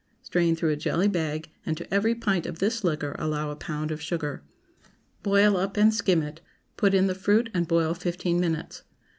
Strain through a jelly bag, and to every pint of this liquor allow a pound of sugar. Boil up and skim it, put in the fruit and boil fifteen minutes.